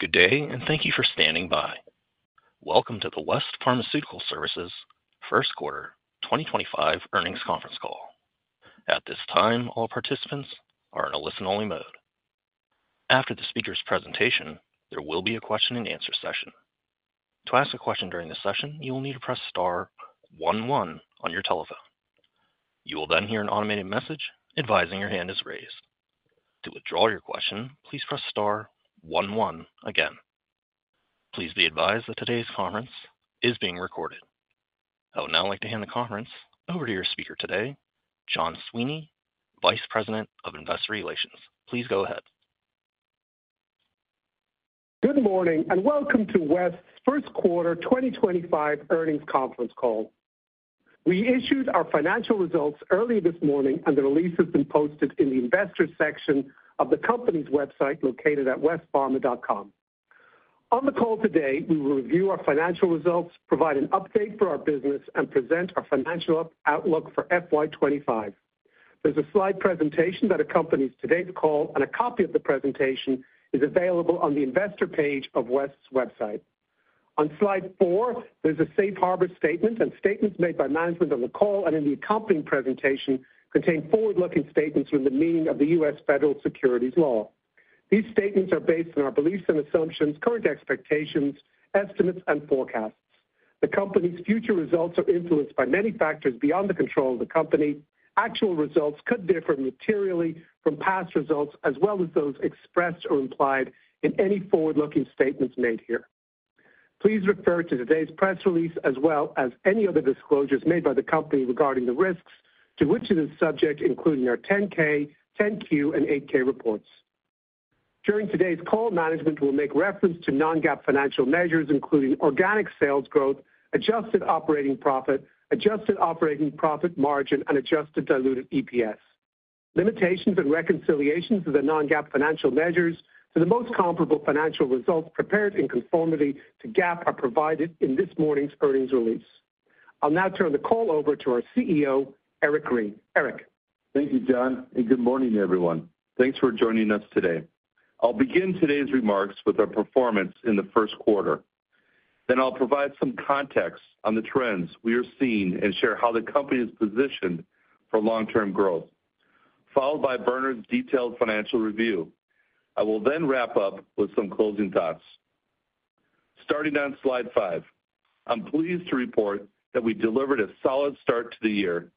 Good day, and thank you for standing by. Welcome to the West Pharmaceutical Services First Quarter 2025 earnings conference call. At this time, all participants are in a listen-only mode. After the speaker's presentation, there will be a question-and-answer session. To ask a question during this session, you will need to press star one one on your telephone. You will then hear an automated message advising your hand is raised. To withdraw your question, please press star one one again. Please be advised that today's conference is being recorded. I would now like to hand the conference over to your speaker today, John Sweeney, Vice President of Investor Relations. Please go ahead. Good morning, and welcome to West's First Quarter 2025 earnings conference call. We issued our financial results early this morning, and the release has been posted in the investor section of the company's website located at westpharma.com. On the call today, we will review our financial results, provide an update for our business, and present our financial outlook for FY25. There is a slide presentation that accompanies today's call, and a copy of the presentation is available on the investor page of West's website. On slide four, there is a safe harbor statement, and statements made by management on the call and in the accompanying presentation contain forward-looking statements from the meaning of the U.S. federal securities law. These statements are based on our beliefs and assumptions, current expectations, estimates, and forecasts. The company's future results are influenced by many factors beyond the control of the company. Actual results could differ materially from past results, as well as those expressed or implied in any forward-looking statements made here. Please refer to today's press release, as well as any other disclosures made by the company regarding the risks to which it is subject, including our 10-K, 10-Q, and 8-K reports. During today's call, management will make reference to non-GAAP financial measures, including organic sales growth, adjusted operating profit, adjusted operating profit margin, and adjusted diluted EPS. Limitations and reconciliations of the non-GAAP financial measures to the most comparable financial results prepared in conformity to GAAP are provided in this morning's earnings release. I'll now turn the call over to our CEO, Eric Green. Eric. Thank you, John, and good morning, everyone. Thanks for joining us today. I'll begin today's remarks with our performance in the first quarter. I will provide some context on the trends we are seeing and share how the company is positioned for long-term growth, followed by Bernard's detailed financial review. I will then wrap up with some closing thoughts. Starting on slide five, I'm pleased to report that we delivered a solid start to the year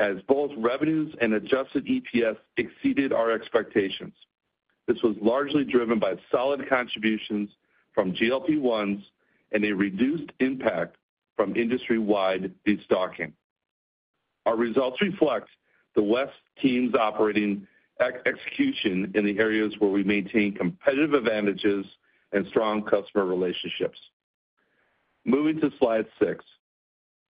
as both revenues and adjusted EPS exceeded our expectations. This was largely driven by solid contributions from GLP-1s and a reduced impact from industry-wide destocking. Our results reflect the West Team's operating execution in the areas where we maintain competitive advantages and strong customer relationships. Moving to slide six,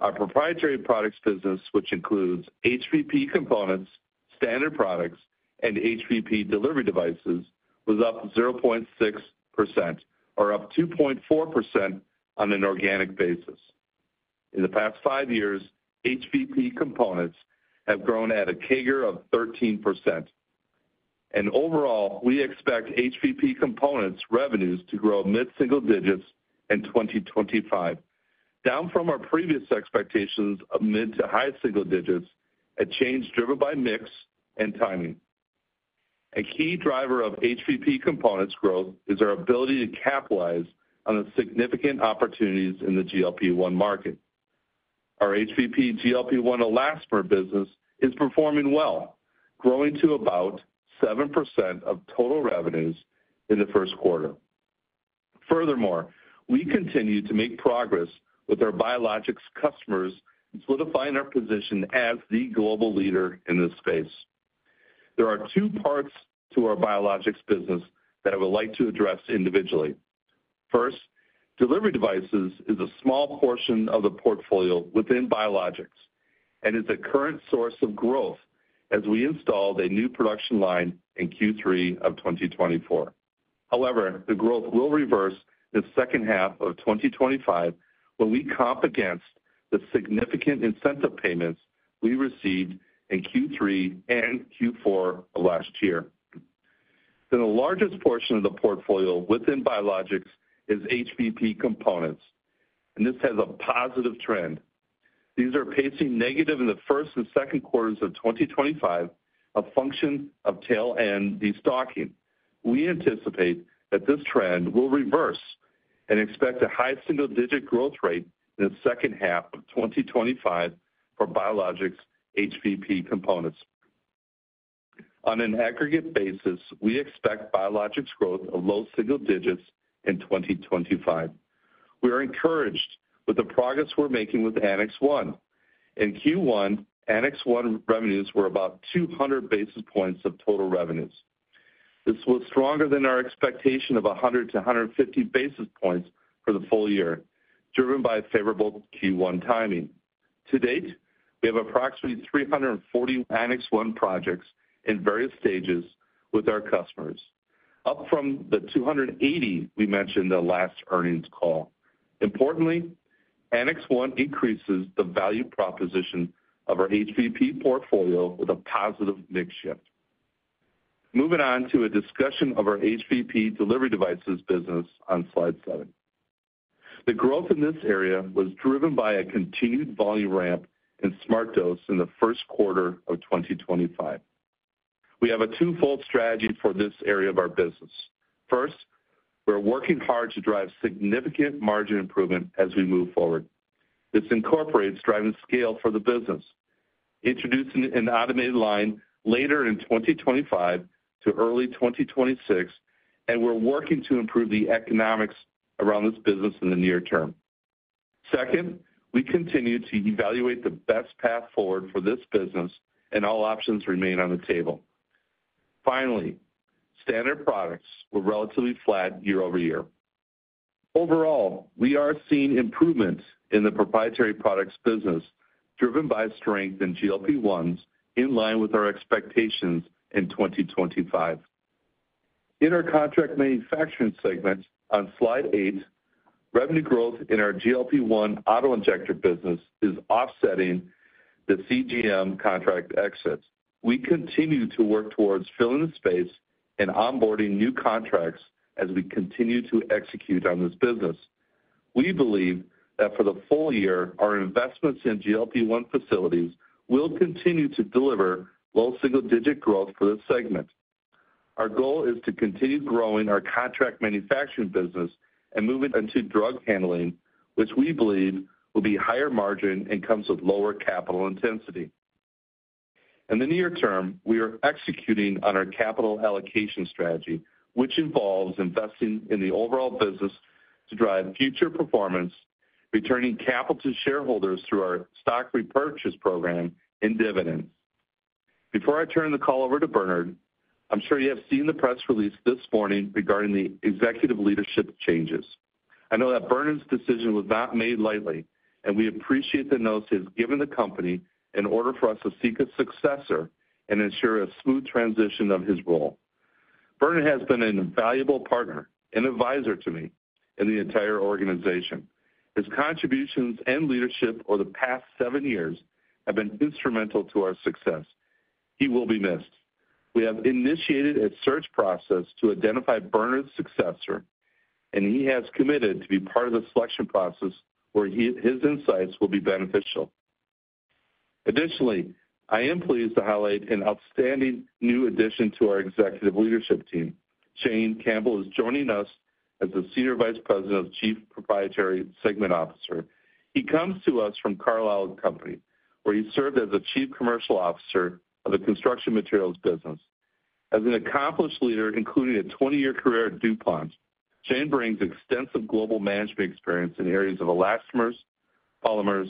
our Proprietary Products business, which includes HPP components, standard products, and HPP delivery devices, was up 0.6%, or up 2.4% on an organic basis. In the past five years, HPP components have grown at a CAGR of 13%. Overall, we expect HPP components' revenues to grow mid-single digits in 2025, down from our previous expectations of mid to high single digits, a change driven by mix and timing. A key driver of HPP components' growth is our ability to capitalize on the significant opportunities in the GLP-1 market. Our HPP GLP-1 elastomer business is performing well, growing to about 7% of total revenues in the first quarter. Furthermore, we continue to make progress with our biologics customers, solidifying our position as the global leader in this space. There are two parts to our biologics business that I would like to address individually. First, delivery devices is a small portion of the portfolio within biologics and is a current source of growth as we installed a new production line in Q3 of 2024. However, the growth will reverse in the second half of 2025 when we comp against the significant incentive payments we received in Q3 and Q4 of last year. The largest portion of the portfolio within biologics is HPP components, and this has a positive trend. These are pacing negative in the first and second quarters of 2025, a function of tail-end destocking. We anticipate that this trend will reverse and expect a high single-digit growth rate in the second half of 2025 for biologics HPP components. On an aggregate basis, we expect biologics growth of low single digits in 2025. We are encouraged with the progress we're making with Annex 1. In Q1, Annex 1 revenues were about 200 basis points of total revenues. This was stronger than our expectation of 100-150 basis points for the full year, driven by favorable Q1 timing. To date, we have approximately 340 Annex 1 projects in various stages with our customers, up from the 280 we mentioned the last earnings call. Importantly, Annex 1 increases the value proposition of our HPP portfolio with a positive mix shift. Moving on to a discussion of our HPP delivery devices business on slide seven. The growth in this area was driven by a continued volume ramp in SmartDose in the first quarter of 2025. We have a twofold strategy for this area of our business. First, we're working hard to drive significant margin improvement as we move forward. This incorporates driving scale for the business, introducing an automated line later in 2025 to early 2026, and we're working to improve the economics around this business in the near term. Second, we continue to evaluate the best path forward for this business, and all options remain on the table. Finally, standard products were relatively flat year over year. Overall, we are seeing improvements in the Proprietary Products business, driven by strength in GLP-1s in line with our expectations in 2025. In our Contract Manufacturing segment on slide eight, revenue growth in our GLP-1 auto-injector business is offsetting the CGM contract exits. We continue to work towards filling the space and onboarding new contracts as we continue to execute on this business. We believe that for the full year, our investments in GLP-1 facilities will continue to deliver low single-digit growth for this segment. Our goal is to continue growing our Contract Manufacturing business and moving into drug handling, which we believe will be higher margin and comes with lower capital intensity. In the near term, we are executing on our capital allocation strategy, which involves investing in the overall business to drive future performance, returning capital to shareholders through our stock repurchase program and dividends. Before I turn the call over to Bernard, I'm sure you have seen the press release this morning regarding the executive leadership changes. I know that Bernard's decision was not made lightly, and we appreciate the notes he has given the company in order for us to seek a successor and ensure a smooth transition of his role. Bernard has been an invaluable partner, an advisor to me in the entire organization. His contributions and leadership over the past seven years have been instrumental to our success. He will be missed. We have initiated a search process to identify Bernard's successor, and he has committed to be part of the selection process where his insights will be beneficial. Additionally, I am pleased to highlight an outstanding new addition to our executive leadership team. Shane Campbell is joining us as the Senior Vice President of Chief Proprietary Segment Officer. He comes to us from Carlisle Companies, where he served as a Chief Commercial Officer of the Construction Materials business. As an accomplished leader, including a 20-year career at DuPont, Shane brings extensive global management experience in areas of elastomers, polymers,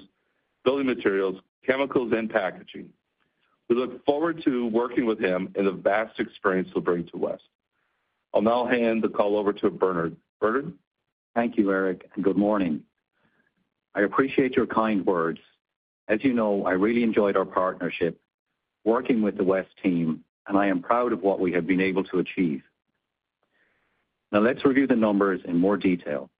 building materials, chemicals, and packaging. We look forward to working with him and the vast experience he'll bring to West. I'll now hand the call over to Bernard. Bernard? Thank you, Eric, and good morning. I appreciate your kind words. As you know, I really enjoyed our partnership working with the West Team, and I am proud of what we have been able to achieve. Now, let's review the numbers in more detail.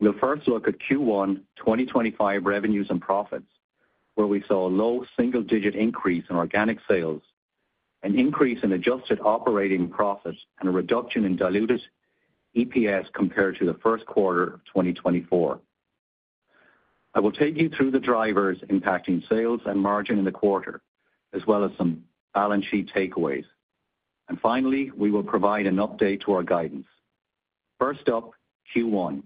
We'll first look at Q1 2025 revenues and profits, where we saw a low single-digit increase in organic sales, an increase in adjusted operating profit, and a reduction in diluted EPS compared to the first quarter of 2024. I will take you through the drivers impacting sales and margin in the quarter, as well as some balance sheet takeaways. Finally, we will provide an update to our guidance. First up, Q1.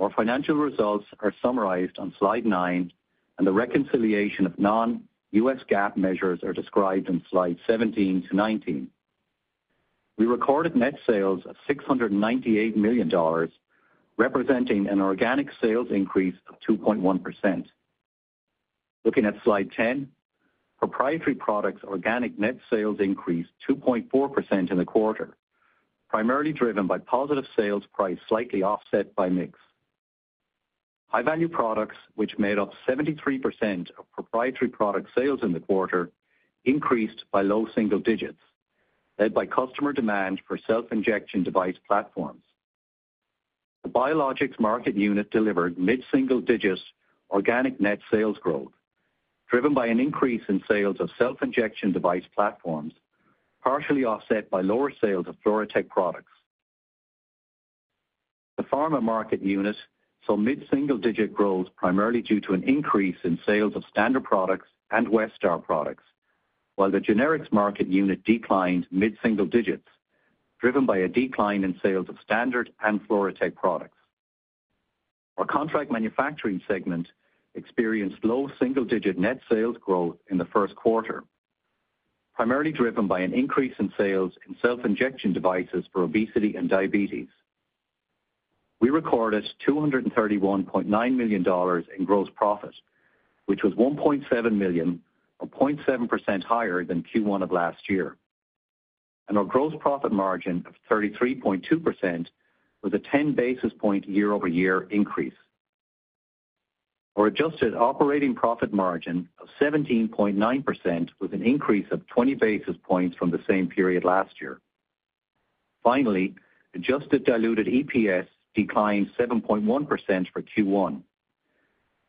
Our financial results are summarized on slide nine, and the reconciliation of non-U.S. GAAP measures are described in slide 17-19. We recorded net sales of $698 million, representing an organic sales increase of 2.1%. Looking at slide 10, Proprietary Products' organic net sales increased 2.4% in the quarter, primarily driven by positive sales price slightly offset by mix. High-value products, which made up 73% of proprietary product sales in the quarter, increased by low single digits, led by customer demand for self-injection device platforms. The Biologics Market Unit delivered mid-single digit organic net sales growth, driven by an increase in sales of self-injection device platforms, partially offset by lower sales of FluroTec products. The Pharma Market Unit saw mid-single digit growth, primarily due to an increase in sales of standard products and Westar products, while the Generics Market Unit declined mid-single digits, driven by a decline in sales of standard and FluroTec products. Our Contract Manufacturing segment experienced low single-digit net sales growth in the first quarter, primarily driven by an increase in sales in self-injection devices for obesity and diabetes. We recorded $231.9 million in gross profit, which was $1.7 million, or 0.7% higher than Q1 of last year. Our gross profit margin of 33.2% was a 10 basis point year-over-year increase. Our adjusted operating profit margin of 17.9% was an increase of 20 basis points from the same period last year. Finally, adjusted diluted EPS declined 7.1% for Q1.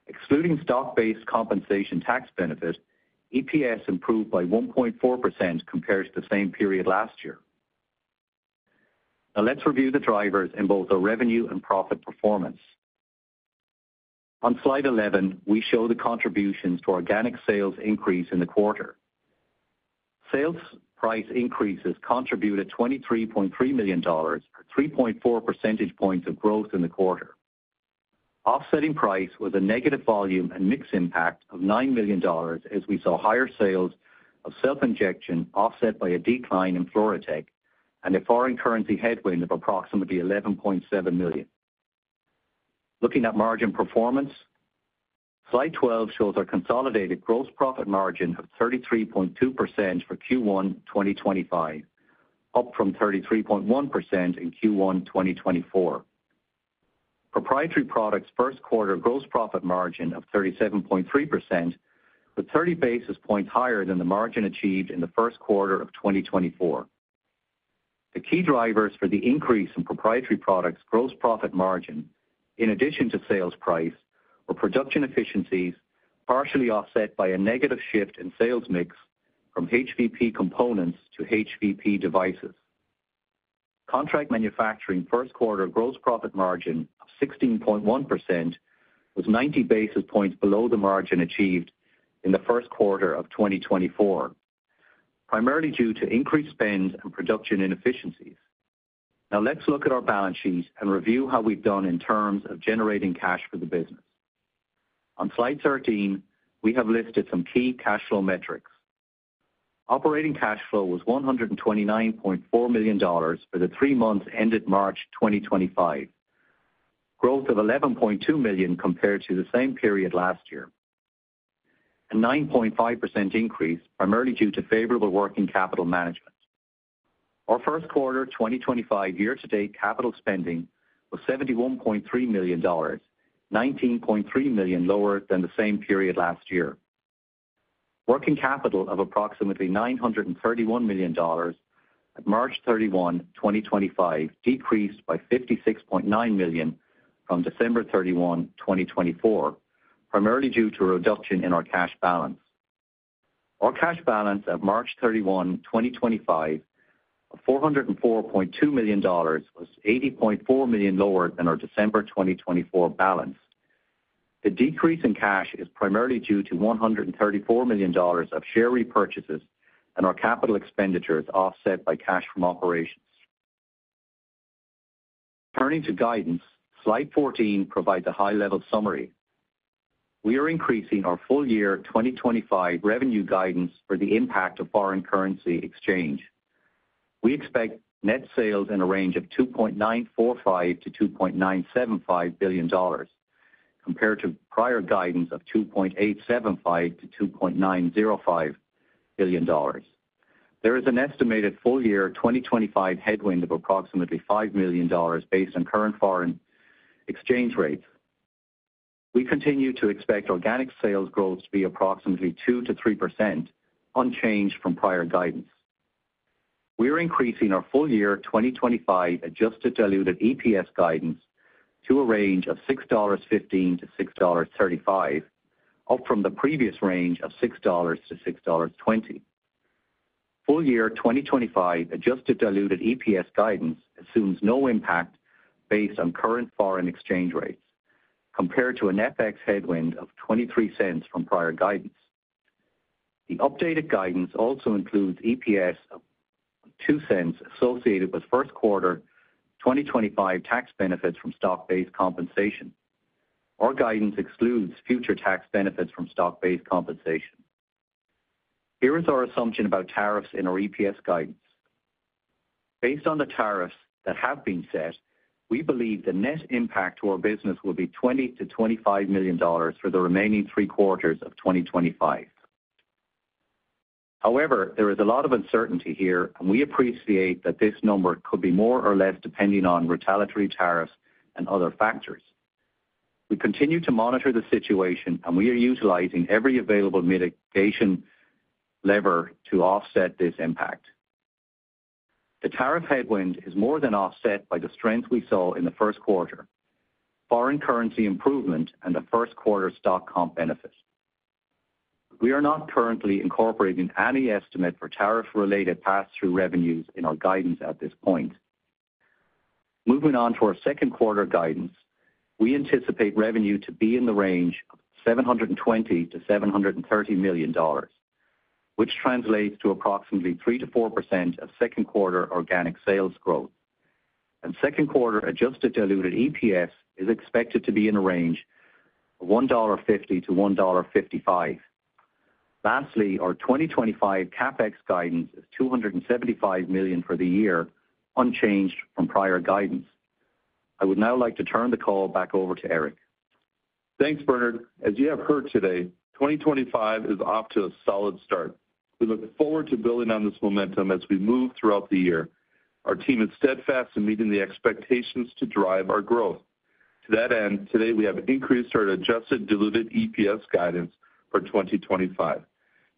Excluding stock-based compensation tax benefit, EPS improved by 1.4% compared to the same period last year. Now, let's review the drivers in both our revenue and profit performance. On slide 11, we show the contributions to organic sales increase in the quarter. Sales price increases contributed $23.3 million, or 3.4 percentage points of growth in the quarter. Offsetting price was a negative volume and mix impact of $9 million, as we saw higher sales of self-injection offset by a decline in FluroTec and a foreign currency headwind of approximately $11.7 million. Looking at margin performance, slide 12 shows our consolidated gross profit margin of 33.2% for Q1 2025, up from 33.1% in Q1 2024. Proprietary Products' first quarter gross profit margin of 37.3% was 30 basis points higher than the margin achieved in the first quarter of 2024. The key drivers for the increase in Proprietary Products' gross profit margin, in addition to sales price or production efficiencies, were partially offset by a negative shift in sales mix from HPP components to HPP devices. Contract Manufacturing first quarter gross profit margin of 16.1% was 90 basis points below the margin achieved in the first quarter of 2024, primarily due to increased spend and production inefficiencies. Now, let's look at our balance sheet and review how we've done in terms of generating cash for the business. On slide 13, we have listed some key cash flow metrics. Operating cash flow was $129.4 million for the three months ended March 2025, growth of $11.2 million compared to the same period last year, a 9.5% increase, primarily due to favorable working capital management. Our first quarter 2025 year-to-date capital spending was $71.3 million, $19.3 million lower than the same period last year. Working capital of approximately $931 million at March 31, 2025, decreased by $56.9 million from December 31, 2024, primarily due to a reduction in our cash balance. Our cash balance at March 31, 2025, of $404.2 million was $80.4 million lower than our December 2024 balance. The decrease in cash is primarily due to $134 million of share repurchases and our capital expenditures offset by cash from operations. Turning to guidance, slide 14 provides a high-level summary. We are increasing our full year 2025 revenue guidance for the impact of foreign currency exchange. We expect net sales in a range of $2.945 billion-$2.975 billion, compared to prior guidance of $2.875 billion-$2.905 billion. There is an estimated full year 2025 headwind of approximately $5 million based on current foreign exchange rates. We continue to expect organic sales growth to be approximately 2%-3%, unchanged from prior guidance. We are increasing our full year 2025 adjusted diluted EPS guidance to a range of $6.15-$6.35, up from the previous range of $6-$6.20. Full year 2025 adjusted diluted EPS guidance assumes no impact based on current foreign exchange rates, compared to an FX headwind of $0.23 from prior guidance. The updated guidance also includes EPS of $0.02 associated with first quarter 2025 tax benefits from stock-based compensation. Our guidance excludes future tax benefits from stock-based compensation. Here is our assumption about tariffs in our EPS guidance. Based on the tariffs that have been set, we believe the net impact to our business will be $20 million-$25 million for the remaining three quarters of 2025. However, there is a lot of uncertainty here, and we appreciate that this number could be more or less depending on retaliatory tariffs and other factors. We continue to monitor the situation, and we are utilizing every available mitigation lever to offset this impact. The tariff headwind is more than offset by the strength we saw in the first quarter, foreign currency improvement, and the first quarter stock comp benefits. We are not currently incorporating any estimate for tariff-related pass-through revenues in our guidance at this point. Moving on to our second quarter guidance, we anticipate revenue to be in the range of $720-$730 million, which translates to approximately 3%-4% of second quarter organic sales growth. Second quarter adjusted diluted EPS is expected to be in a range of $1.50-$1.55. Lastly, our 2025 CapEx guidance is $275 million for the year, unchanged from prior guidance. I would now like to turn the call back over to Eric. Thanks, Bernard. As you have heard today, 2025 is off to a solid start. We look forward to building on this momentum as we move throughout the year. Our team is steadfast in meeting the expectations to drive our growth. To that end, today we have increased our adjusted diluted EPS guidance for 2025.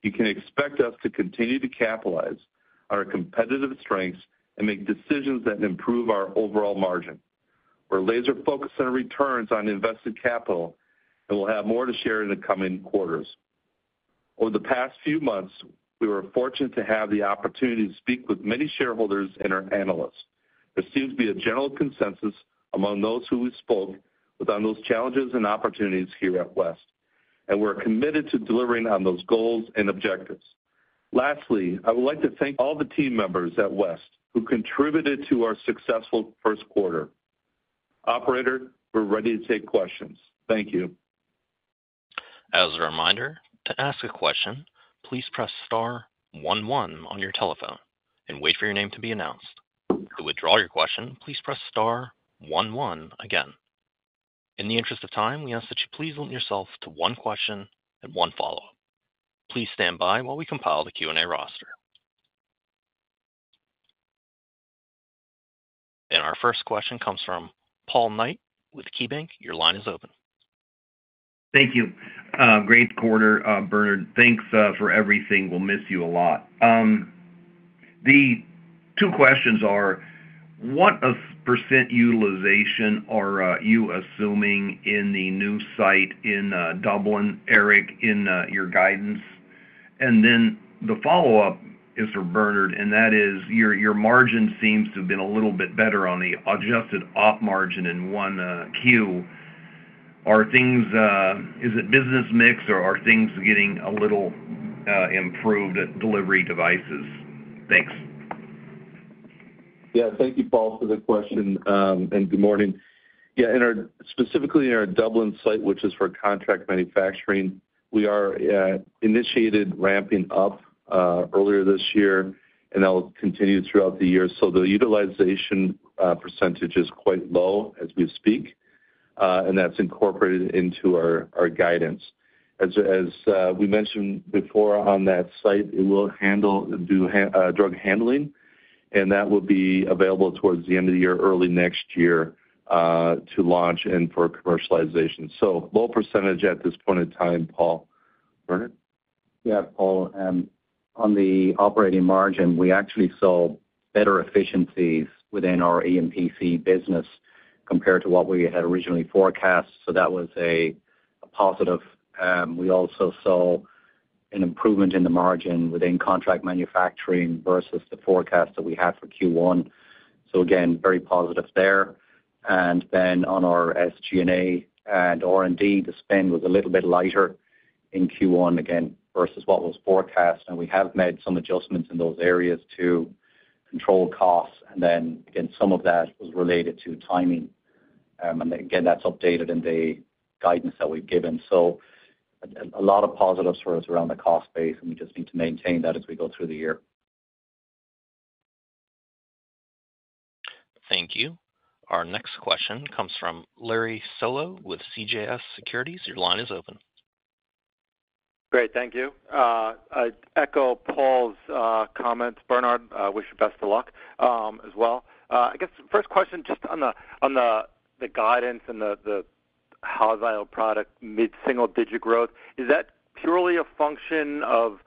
You can expect us to continue to capitalize on our competitive strengths and make decisions that improve our overall margin. We're laser-focused on returns on invested capital, and we'll have more to share in the coming quarters. Over the past few months, we were fortunate to have the opportunity to speak with many shareholders and our analysts. There seems to be a general consensus among those who we spoke with on those challenges and opportunities here at West, and we're committed to delivering on those goals and objectives. Lastly, I would like to thank all the team members at West who contributed to our successful first quarter. Operator, we're ready to take questions. Thank you. As a reminder, to ask a question, please press star one one on your telephone and wait for your name to be announced. To withdraw your question, please press star one one again. In the interest of time, we ask that you please limit yourself to one question and one follow-up. Please stand by while we compile the Q&A roster. Our first question comes from Paul Knight with KeyBanc. Your line is open. Thank you. Great quarter, Bernard. Thanks for everything. We'll miss you a lot. The two questions are: what percent utilization are you assuming in the new site in Dublin, Eric, in your guidance? The follow-up is for Bernard, and that is your margin seems to have been a little bit better on the adjusted op margin in one Q. Is it business mix, or are things getting a little improved at delivery devices? Thanks. Yeah, thank you, Paul, for the question, and good morning. Specifically in our Dublin site, which is for Contract Manufacturing, we initiated ramping up earlier this year, and that will continue throughout the year. The utilization percentage is quite low as we speak, and that's incorporated into our guidance. As we mentioned before on that site, it will handle drug handling, and that will be available towards the end of the year, early next year to launch and for commercialization. Low percentage at this point in time, Paul. Bernard? Yeah, Paul. On the operating margin, we actually saw better efficiencies within our EMPC business compared to what we had originally forecast. That was a positive. We also saw an improvement in the margin within Contract Manufacturing versus the forecast that we had for Q1. Very positive there. On our SG&A and R&D, the spend was a little bit lighter in Q1 again versus what was forecast. We have made some adjustments in those areas to control costs. Some of that was related to timing. That is updated in the guidance that we have given. A lot of positives for us around the cost base, and we just need to maintain that as we go through the year. Thank you. Our next question comes from Larry Solow with CJS Securities. Your line is open. Great. Thank you. I echo Paul's comments. Bernard, I wish you best of luck as well. I guess first question, just on the guidance and the high-value product mid-single-digit growth, is that purely a function of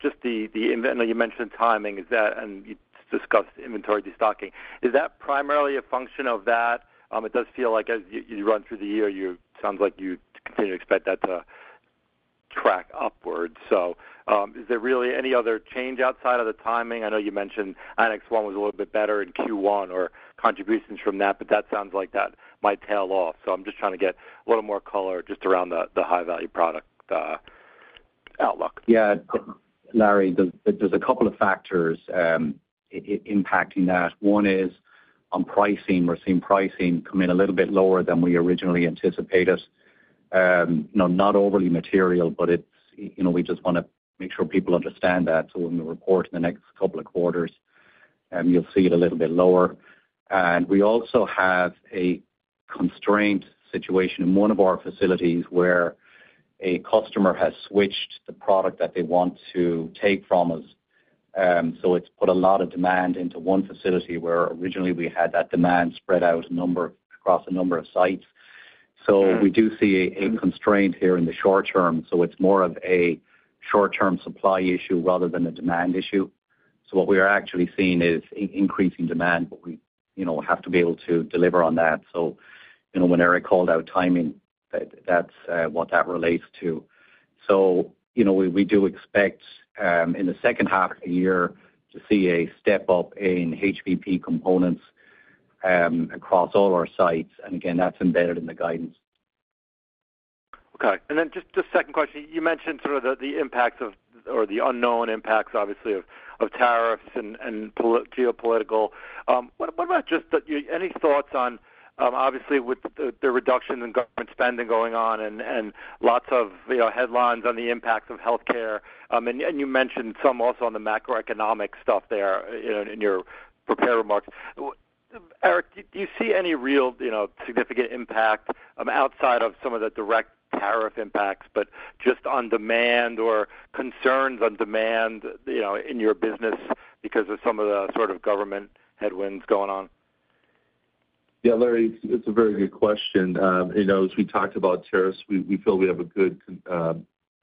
just the—I know you mentioned timing, and you discussed inventory destocking. Is that primarily a function of that? It does feel like as you run through the year, it sounds like you continue to expect that to track upward. Is there really any other change outside of the timing? I know you mentioned Annex 1 was a little bit better in Q1 or contributions from that, but that sounds like that might tail off. I am just trying to get a little more color just around the high-value product outlook. Yeah, Larry, there's a couple of factors impacting that. One is on pricing. We're seeing pricing come in a little bit lower than we originally anticipated. Not overly material, but we just want to make sure people understand that. When we report in the next couple of quarters, you'll see it a little bit lower. We also have a constraint situation in one of our facilities where a customer has switched the product that they want to take from us. It has put a lot of demand into one facility where originally we had that demand spread out across a number of sites. We do see a constraint here in the short term. It is more of a short-term supply issue rather than a demand issue. What we are actually seeing is increasing demand, but we have to be able to deliver on that. When Eric called out timing, that's what that relates to. We do expect in the second half of the year to see a step up in HPP components across all our sites. Again, that's embedded in the guidance. Okay. Just the second question, you mentioned sort of the impacts or the unknown impacts, obviously, of tariffs and geopolitical. What about just any thoughts on, obviously, with the reduction in government spending going on and lots of headlines on the impacts of healthcare? You mentioned some also on the macroeconomic stuff there in your prepared remarks. Eric, do you see any real significant impact outside of some of the direct tariff impacts, but just on demand or concerns on demand in your business because of some of the sort of government headwinds going on? Yeah, Larry, it's a very good question. As we talked about tariffs, we feel we have a good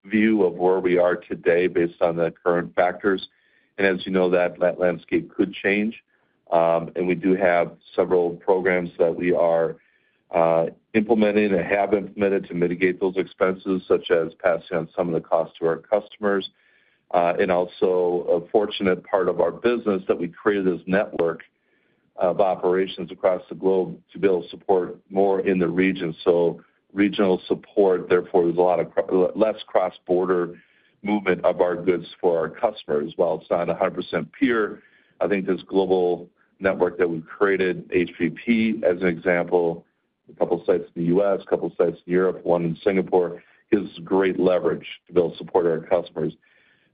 view of where we are today based on the current factors. As you know, that landscape could change. We do have several programs that we are implementing and have implemented to mitigate those expenses, such as passing on some of the costs to our customers. Also, a fortunate part of our business is that we created this network of operations across the globe to be able to support more in the region. Regional support, therefore, there's a lot less cross-border movement of our goods for our customers. While it's not 100% pure, I think this global network that we've created, HPP as an example, a couple of sites in the U.S., a couple of sites in Europe, one in Singapore, gives us great leverage to build support to our customers.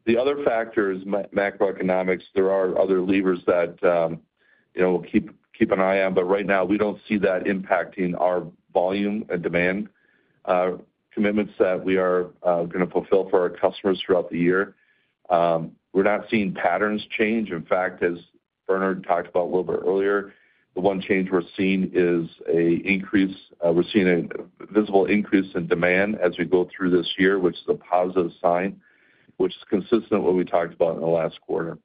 The other factor is macroeconomics. There are other levers that we'll keep an eye on, but right now we don't see that impacting our volume and demand commitments that we are going to fulfill for our customers throughout the year. We're not seeing patterns change. In fact, as Bernard talked about a little bit earlier, the one change we're seeing is an increase. We're seeing a visible increase in demand as we go through this year, which is a positive sign, which is consistent with what we talked about in the last quarter.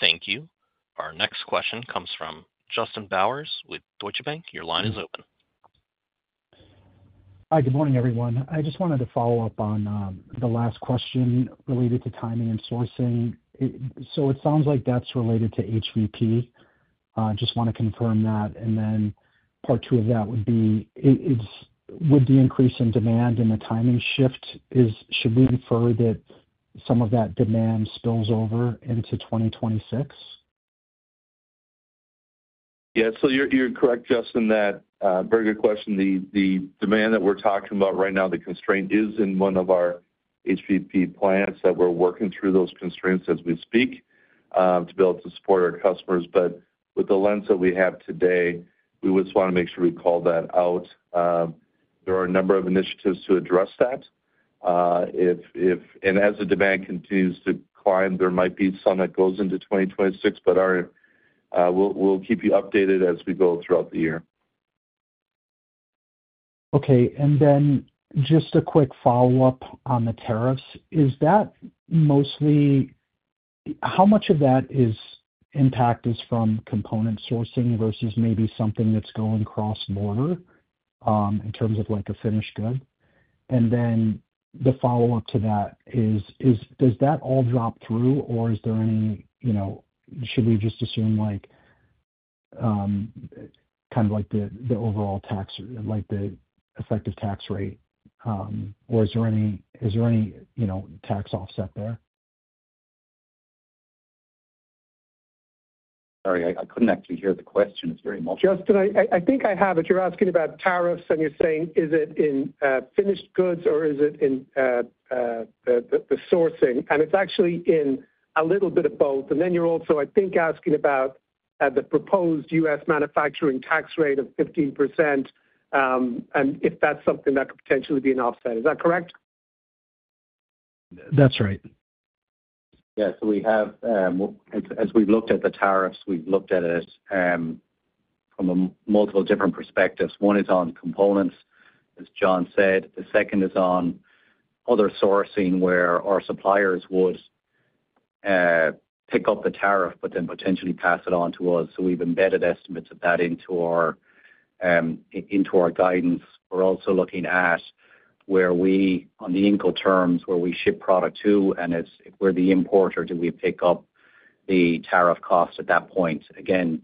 Thank you. Our next question comes from Justin Bowers with Deutsche Bank. Your line is open. Hi, good morning, everyone. I just wanted to follow up on the last question related to timing and sourcing. It sounds like that's related to HPP. I just want to confirm that. Part two of that would be, with the increase in demand and the timing shift, should we infer that some of that demand spills over into 2026? Yeah. You're correct, Justin, that very good question. The demand that we're talking about right now, the constraint is in one of our HPP plants that we're working through those constraints as we speak to be able to support our customers. With the lens that we have today, we just want to make sure we call that out. There are a number of initiatives to address that. As the demand continues to climb, there might be some that goes into 2026, but we'll keep you updated as we go throughout the year. Okay. Just a quick follow-up on the tariffs. Is that mostly how much of that impact is from component sourcing versus maybe something that's going cross-border in terms of a finished good? The follow-up to that is, does that all drop through, or should we just assume kind of the overall tax, the effective tax rate, or is there any tax offset there? Sorry, I couldn't actually hear the question very much. Justin, I think I have it. You're asking about tariffs, and you're saying, is it in finished goods, or is it in the sourcing? It's actually in a little bit of both. You're also, I think, asking about the proposed U.S. manufacturing tax rate of 15% and if that's something that could potentially be an offset. Is that correct? That's right. Yeah. As we've looked at the tariffs, we've looked at it from multiple different perspectives. One is on components, as John said. The second is on other sourcing where our suppliers would pick up the tariff, but then potentially pass it on to us. We've embedded estimates of that into our guidance. We're also looking at where we, on the Incoterms, where we ship product to, and if we're the importer, do we pick up the tariff cost at that point? Again,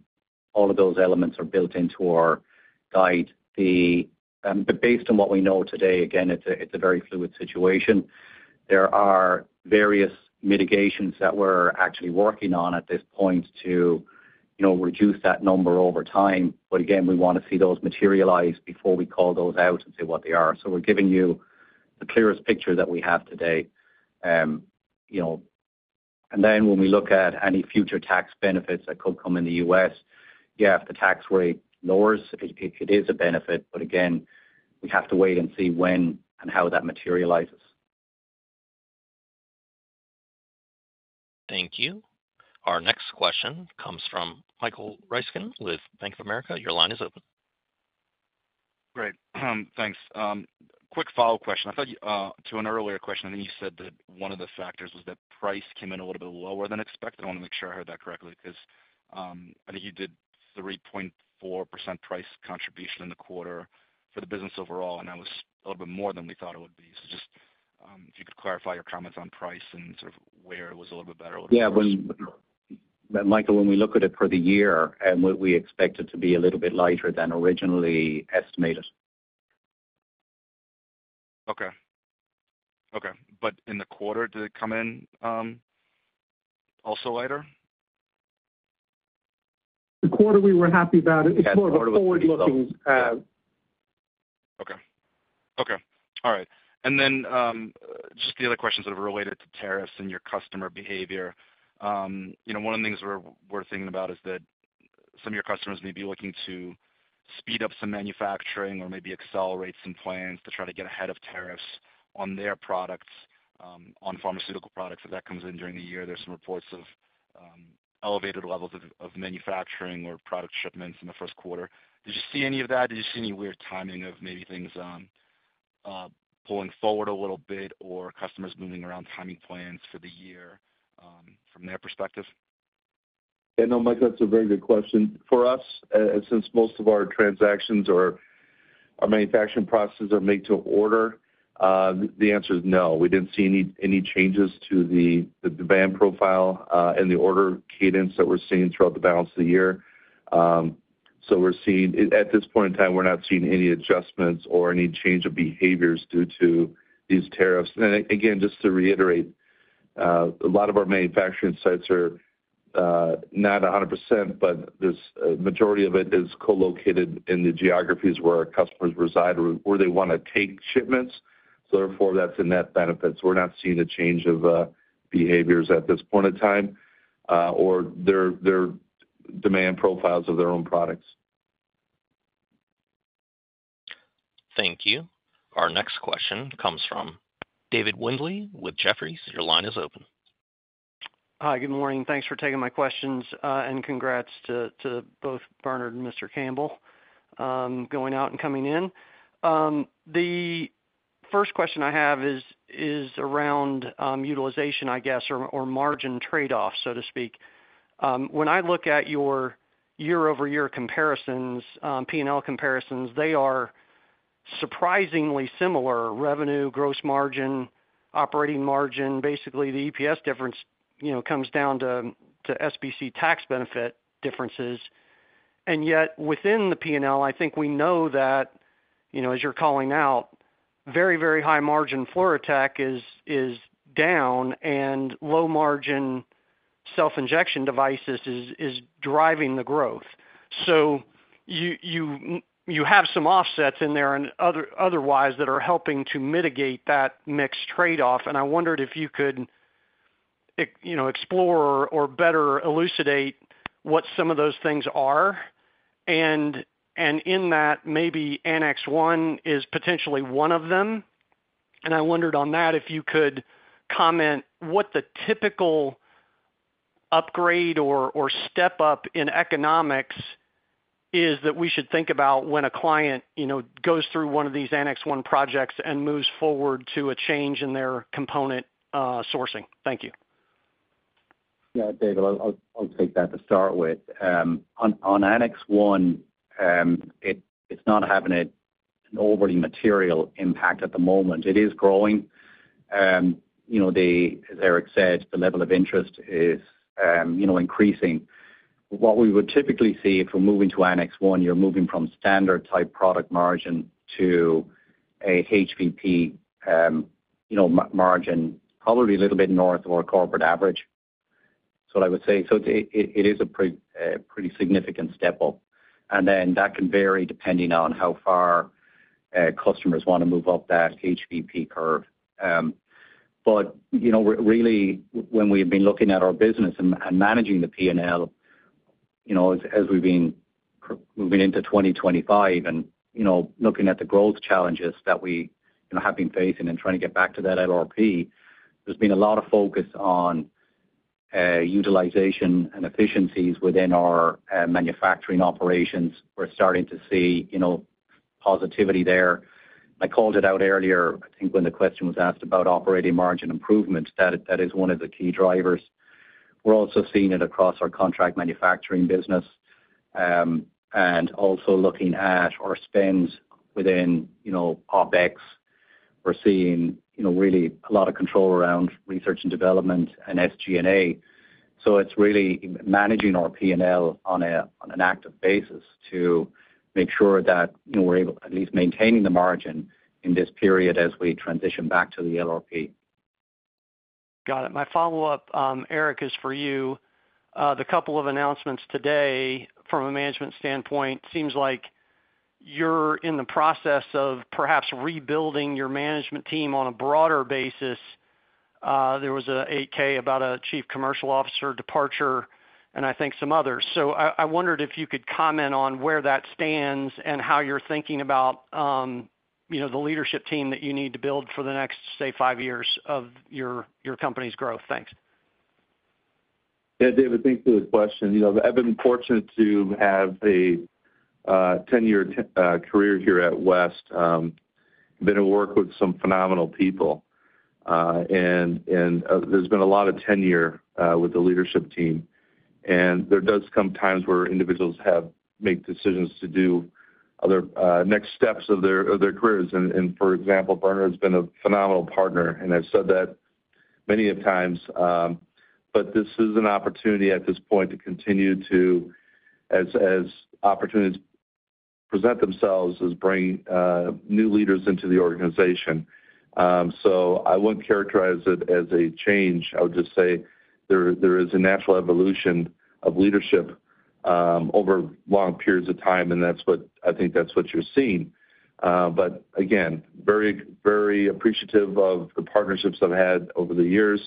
all of those elements are built into our guide. Based on what we know today, it's a very fluid situation. There are various mitigations that we're actually working on at this point to reduce that number over time. Again, we want to see those materialize before we call those out and say what they are. We're giving you the clearest picture that we have today. When we look at any future tax benefits that could come in the U.S., yeah, if the tax rate lowers, it is a benefit. Again, we have to wait and see when and how that materializes. Thank you. Our next question comes from Michael Ryskin with Bank of America. Your line is open. Great. Thanks. Quick follow-up question. I thought to an earlier question, I think you said that one of the factors was that price came in a little bit lower than expected. I want to make sure I heard that correctly because I think you did 3.4% price contribution in the quarter for the business overall, and that was a little bit more than we thought it would be. Just if you could clarify your comments on price and sort of where it was a little bit better. Yeah. Michael, when we look at it for the year, we expect it to be a little bit lighter than originally estimated. Okay. Okay. In the quarter, did it come in also lighter? The quarter we were happy about. It's more of a forward-looking. Okay. Okay. All right. Just the other questions that are related to tariffs and your customer behavior. One of the things we're thinking about is that some of your customers may be looking to speed up some manufacturing or maybe accelerate some plans to try to get ahead of tariffs on their products, on pharmaceutical products. If that comes in during the year, there's some reports of elevated levels of manufacturing or product shipments in the first quarter. Did you see any of that? Did you see any weird timing of maybe things pulling forward a little bit or customers moving around timing plans for the year from their perspective? Yeah. No, Michael, that's a very good question. For us, since most of our transactions or our manufacturing processes are made to order, the answer is no. We did not see any changes to the demand profile and the order cadence that we're seeing throughout the balance of the year. At this point in time, we're not seeing any adjustments or any change of behaviors due to these tariffs. Again, just to reiterate, a lot of our manufacturing sites are not 100%, but the majority of it is co-located in the geographies where our customers reside or where they want to take shipments. Therefore, that's a net benefit. We're not seeing a change of behaviors at this point in time or their demand profiles of their own products. Thank you. Our next question comes from David Windley with Jefferies. Your line is open. Hi, good morning. Thanks for taking my questions and congrats to both Bernard and Mr. Campbell going out and coming in. The first question I have is around utilization, I guess, or margin trade-off, so to speak. When I look at your year-over-year comparisons, P&L comparisons, they are surprisingly similar: revenue, gross margin, operating margin. Basically, the EPS difference comes down to SBC tax benefit differences. Yet, within the P&L, I think we know that, as you're calling out, very, very high margin FluroTec is down and low margin self-injection devices is driving the growth. You have some offsets in there otherwise that are helping to mitigate that mixed trade-off. I wondered if you could explore or better elucidate what some of those things are. In that, maybe Annex 1 is potentially one of them. If you could comment what the typical upgrade or step up in economics is that we should think about when a client goes through one of these Annex 1 projects and moves forward to a change in their component sourcing. Thank you. Yeah, David, I'll take that to start with. On Annex 1, it's not having an overly material impact at the moment. It is growing. As Eric said, the level of interest is increasing. What we would typically see if we're moving to Annex 1, you're moving from standard-type product margin to a HPP margin, probably a little bit north of our corporate average. I would say it is a pretty significant step up. That can vary depending on how far customers want to move up that HPP curve. Really, when we've been looking at our business and managing the P&L, as we've been moving into 2025 and looking at the growth challenges that we have been facing and trying to get back to that LRP, there's been a lot of focus on utilization and efficiencies within our manufacturing operations. We're starting to see positivity there. I called it out earlier, I think, when the question was asked about operating margin improvement. That is one of the key drivers. We're also seeing it across our Contract Manufacturing business and also looking at our spends within OpEx. We're seeing really a lot of control around research and development and SG&A. It's really managing our P&L on an active basis to make sure that we're at least maintaining the margin in this period as we transition back to the LRP. Got it. My follow-up, Eric, is for you. The couple of announcements today from a management standpoint seems like you're in the process of perhaps rebuilding your management team on a broader basis. There was an 8-K about a Chief Commercial Officer departure, and I think some others. I wondered if you could comment on where that stands and how you're thinking about the leadership team that you need to build for the next, say, five years of your company's growth. Thanks. Yeah, David, thanks for the question. I've been fortunate to have a 10-year career here at West. I've been to work with some phenomenal people, and there's been a lot of tenure with the leadership team. There does come times where individuals have to make decisions to do other next steps of their careers. For example, Bernard has been a phenomenal partner, and I've said that many of times. This is an opportunity at this point to continue to, as opportunities present themselves, bring new leaders into the organization. I wouldn't characterize it as a change. I would just say there is a natural evolution of leadership over long periods of time, and I think that's what you're seeing. Again, very appreciative of the partnerships I've had over the years.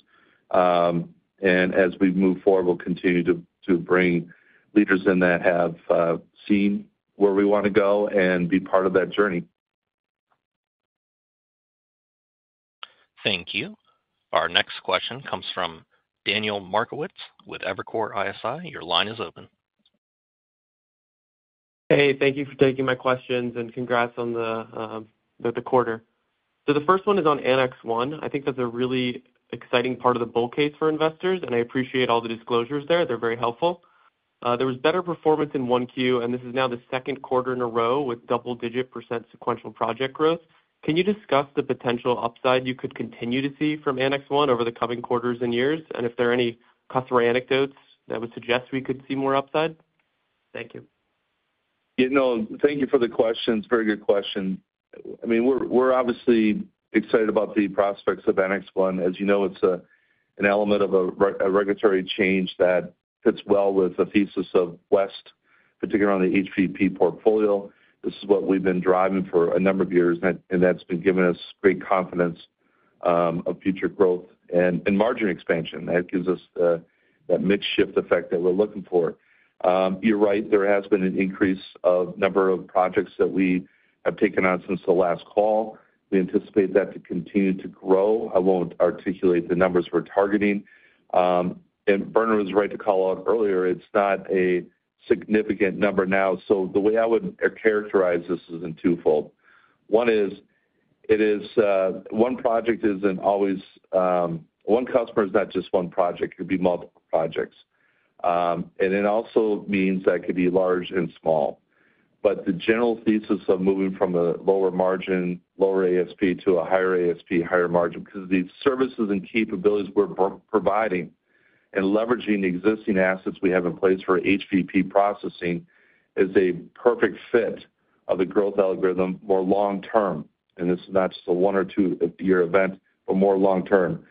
As we move forward, we'll continue to bring leaders in that have seen where we want to go and be part of that journey. Thank you. Our next question comes from Daniel Markowitz with Evercore ISI. Your line is open. Hey, thank you for taking my questions and congrats on the quarter. The first one is on Annex 1. I think that's a really exciting part of the bull case for investors, and I appreciate all the disclosures there. They're very helpful. There was better performance in one Q, and this is now the second quarter in a row with double-digit % sequential project growth. Can you discuss the potential upside you could continue to see from Annex 1 over the coming quarters and years? If there are any customer anecdotes that would suggest we could see more upside? Thank you. Yeah. No, thank you for the question. It's a very good question. I mean, we're obviously excited about the prospects of Annex 1. As you know, it's an element of a regulatory change that fits well with the thesis of West, particularly on the HPP portfolio. This is what we've been driving for a number of years, and that's been giving us great confidence of future growth and margin expansion. That gives us that mixed shift effect that we're looking for. You're right. There has been an increase of the number of projects that we have taken on since the last call. We anticipate that to continue to grow. I won't articulate the numbers we're targeting. Bernard was right to call out earlier. It's not a significant number now. The way I would characterize this is in twofold. One is one project is not always one customer is not just one project. It could be multiple projects. It also means that it could be large and small. The general thesis of moving from a lower margin, lower ASP to a higher ASP, higher margin, because the services and capabilities we are providing and leveraging the existing assets we have in place for HPP processing is a perfect fit of the growth algorithm more long-term. This is not just a one or two-year event, but more long-term.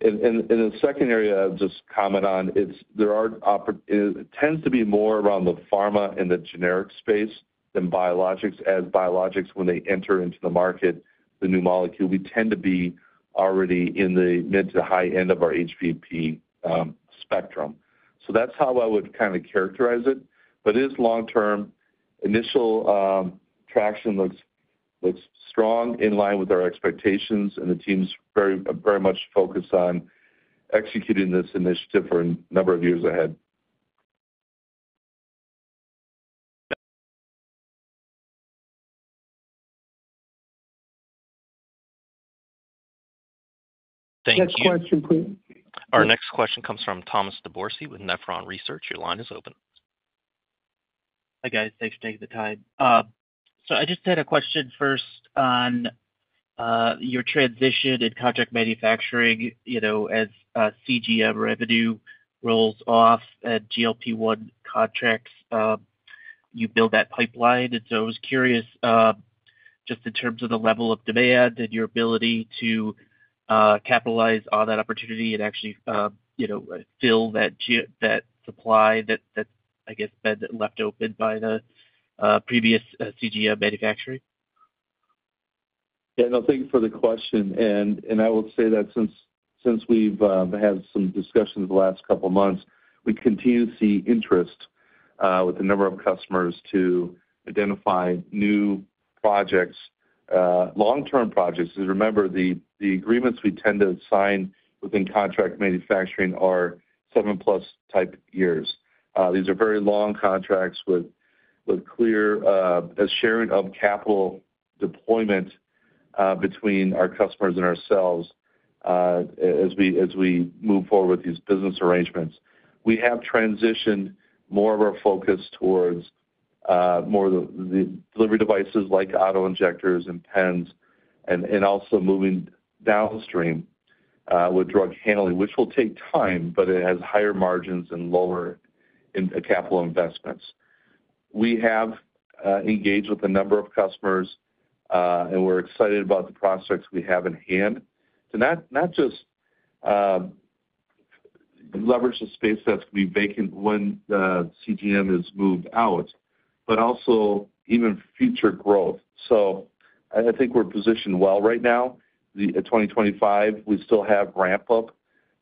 In the second area, I will just comment on it. There are opportunities. It tends to be more around the pharma and the generic space than biologics. As biologics, when they enter into the market, the new molecule, we tend to be already in the mid to high end of our HPP spectrum. That is how I would kind of characterize it. It is long-term. Initial traction looks strong, in line with our expectations, and the team's very much focused on executing this initiative for a number of years ahead. Thank you. Next question, please. Our next question comes from Thomas DeBourcy with Nephron Research. Your line is open. Hi guys. Thanks for taking the time. I just had a question first on your transition in Contract Manufacturing. As CGM revenue rolls off at GLP-1 contracts, you build that pipeline. I was curious just in terms of the level of demand and your ability to capitalize on that opportunity and actually fill that supply that, I guess, left open by the previous CGM manufacturing. Yeah. No, thank you for the question. I will say that since we've had some discussions the last couple of months, we continue to see interest with a number of customers to identify new projects, long-term projects. As you remember, the agreements we tend to sign within Contract Manufacturing are seven-plus-type years. These are very long contracts with clear sharing of capital deployment between our customers and ourselves as we move forward with these business arrangements. We have transitioned more of our focus towards more of the delivery devices like auto injectors and pens, and also moving downstream with drug handling, which will take time, but it has higher margins and lower capital investments. We have engaged with a number of customers, and we're excited about the prospects we have in hand to not just leverage the space that's going to be vacant when the CGM is moved out, but also even future growth. I think we're positioned well right now. In 2025, we still have ramp-up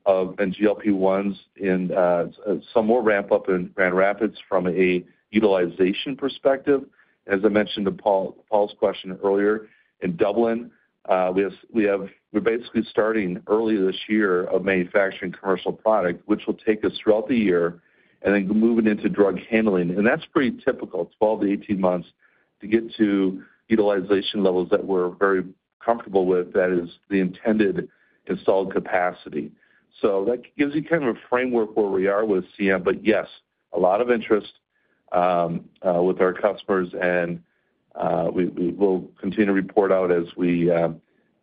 and GLP-1s and some more ramp-up in Grand Rapids from a utilization perspective. As I mentioned to Paul's question earlier, in Dublin, we're basically starting early this year of manufacturing commercial product, which will take us throughout the year and then moving into drug handling. That's pretty typical, 12-18 months to get to utilization levels that we're very comfortable with. That is the intended installed capacity. That gives you kind of a framework where we are with CM. Yes, a lot of interest with our customers, and we will continue to report out as we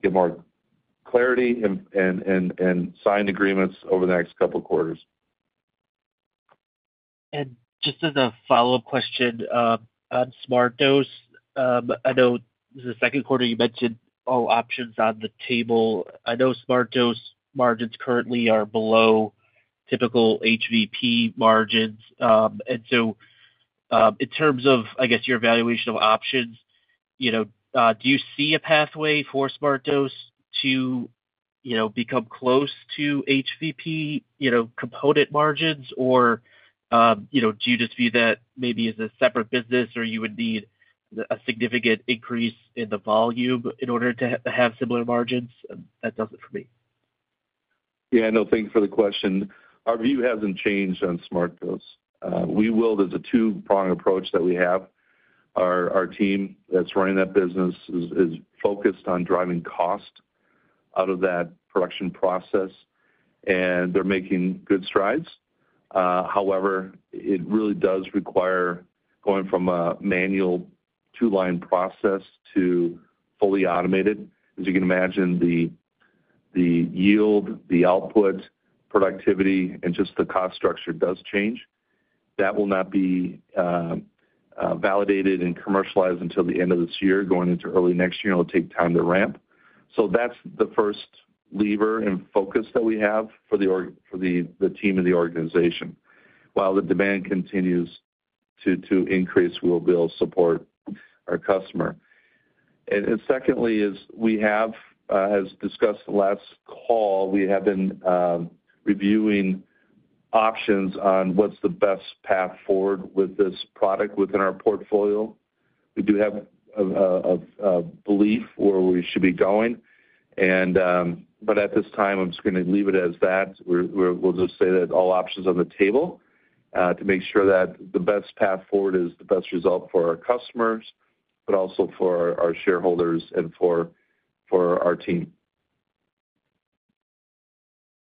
get more clarity and sign agreements over the next couple of quarters. Just as a follow-up question on SmartDose, I know the second quarter you mentioned all options on the table. I know SmartDose margins currently are below typical HVP margins. In terms of, I guess, your evaluation of options, do you see a pathway for SmartDose to become close to HVP component margins, or do you just view that maybe as a separate business, or you would need a significant increase in the volume in order to have similar margins? That does it for me. Yeah. No, thank you for the question. Our view hasn't changed on SmartDose. We will, there's a two-prong approach that we have. Our team that's running that business is focused on driving cost out of that production process, and they're making good strides. However, it really does require going from a manual two-line process to fully automated. As you can imagine, the yield, the output, productivity, and just the cost structure does change. That will not be validated and commercialized until the end of this year. Going into early next year, it'll take time to ramp. That is the first lever and focus that we have for the team and the organization. While the demand continues to increase, we will build support our customer. Secondly, as we have discussed the last call, we have been reviewing options on what's the best path forward with this product within our portfolio. We do have a belief where we should be going. At this time, I'm just going to leave it as that. We'll just say that all options are on the table to make sure that the best path forward is the best result for our customers, but also for our shareholders and for our team.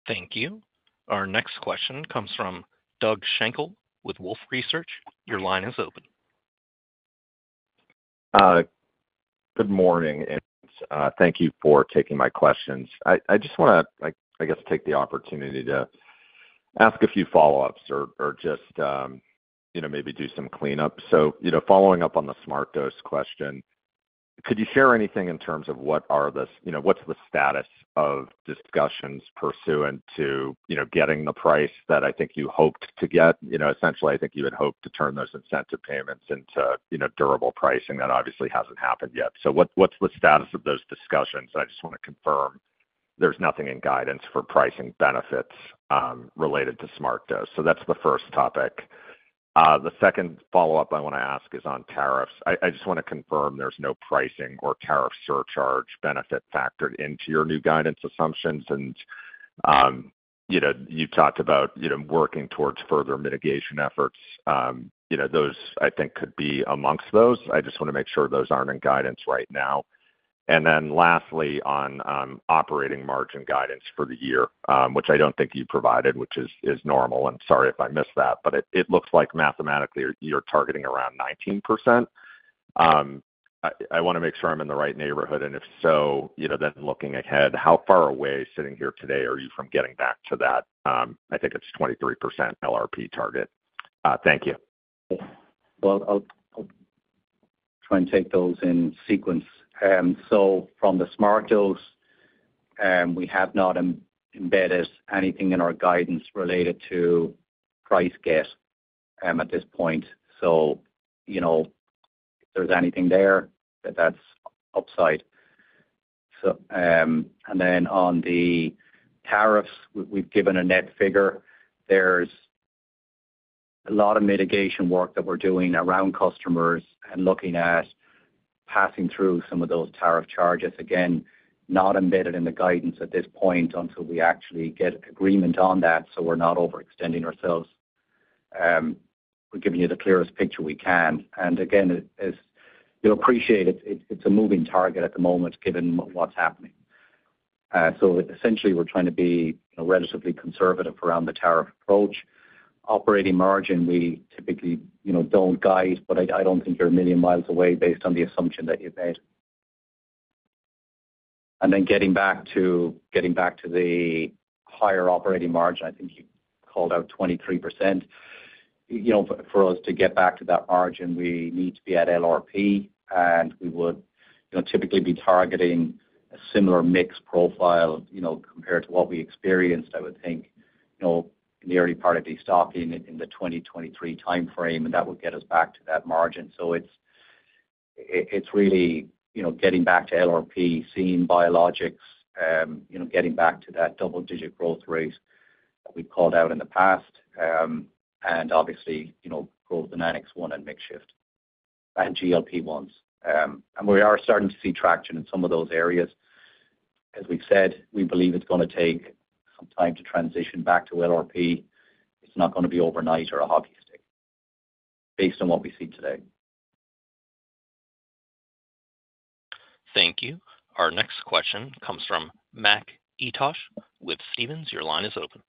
Thank you. Our next question comes from Doug Schenkel with Wolf Research. Your line is open. Good morning, and thank you for taking my questions. I just want to, I guess, take the opportunity to ask a few follow-ups or just maybe do some cleanup. Following up on the SmartDose question, could you share anything in terms of what are the what's the status of discussions pursuant to getting the price that I think you hoped to get? Essentially, I think you had hoped to turn those incentive payments into durable pricing. That obviously hasn't happened yet. What is the status of those discussions? I just want to confirm there's nothing in guidance for pricing benefits related to SmartDose. That is the first topic. The second follow-up I want to ask is on tariffs. I just want to confirm there's no pricing or tariff surcharge benefit factored into your new guidance assumptions. You talked about working towards further mitigation efforts. Those, I think, could be amongst those. I just want to make sure those are not in guidance right now. Lastly, on operating margin guidance for the year, which I do not think you provided, which is normal. I am sorry if I missed that, but it looks like mathematically you are targeting around 19%. I want to make sure I am in the right neighborhood. If so, then looking ahead, how far away sitting here today are you from getting back to that 23% LRP target? Thank you. I'll try and take those in sequence. From the SmartDose, we have not embedded anything in our guidance related to price gap at this point. If there's anything there, that's upside. On the tariffs, we've given a net figure. There's a lot of mitigation work that we're doing around customers and looking at passing through some of those tariff charges. Again, not embedded in the guidance at this point until we actually get agreement on that so we're not overextending ourselves. We're giving you the clearest picture we can. You'll appreciate it's a moving target at the moment given what's happening. Essentially, we're trying to be relatively conservative around the tariff approach. Operating margin, we typically don't guide, but I don't think you're a million miles away based on the assumption that you've made. Then getting back to the higher operating margin, I think you called out 23%. For us to get back to that margin, we need to be at LRP, and we would typically be targeting a similar mix profile compared to what we experienced, I would think, in the early part of the stock in the 2023 timeframe, and that would get us back to that margin. It is really getting back to LRP, seeing biologics, getting back to that double-digit growth rate that we called out in the past, and obviously growth in Annex 1 and mix shift and GLP-1s. We are starting to see traction in some of those areas. As we have said, we believe it is going to take some time to transition back to LRP. It is not going to be overnight or a hockey stick based on what we see today. Thank you. Our next question comes from Matt Etoch with Stephens. Your line is open.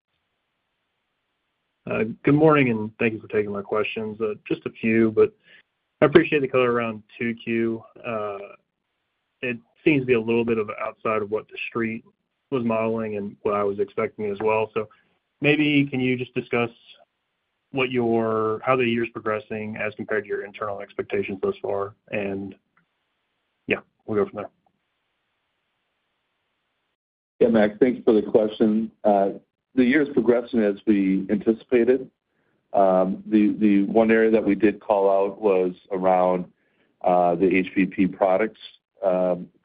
Good morning, and thank you for taking my questions. Just a few, but I appreciate the color around 2Q. It seems to be a little bit outside of what the street was modeling and what I was expecting as well. Maybe can you just discuss how the year's progressing as compared to your internal expectations thus far? Yeah, we'll go from there. Yeah, Matt, thank you for the question. The year's progression as we anticipated. The one area that we did call out was around the HPP products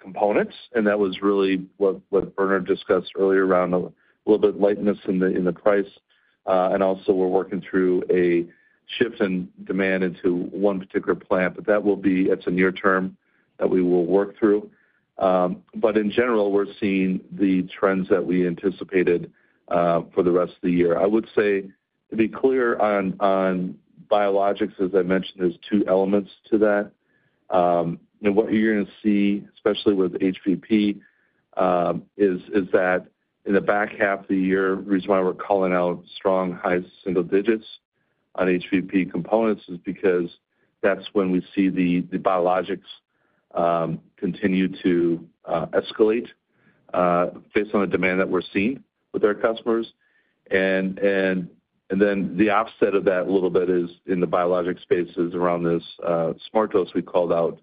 components, and that was really what Bernard discussed earlier around a little bit of lightness in the price. Also, we're working through a shift in demand into one particular plant, but that will be at a near term that we will work through. In general, we're seeing the trends that we anticipated for the rest of the year. I would say to be clear on biologics, as I mentioned, there's two elements to that. What you are going to see, especially with HPP, is that in the back half of the year, the reason why we are calling out strong high single digits on HPP components is because that is when we see the biologics continue to escalate based on the demand that we are seeing with our customers. The offset of that a little bit is in the biologic spaces around this SmartDose we called out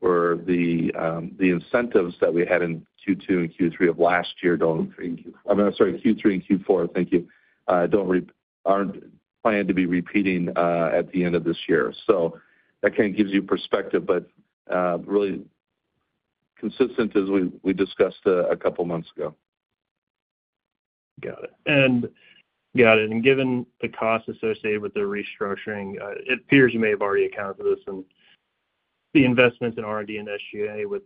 where the incentives that we had in Q2 and Q3 of last year do not—I'm sorry, Q3 and Q4, thank you—are not planned to be repeating at the end of this year. That kind of gives you perspective, but really consistent as we discussed a couple of months ago. Got it. Given the cost associated with the restructuring, it appears you may have already accounted for this and the investments in R&D and SG&A with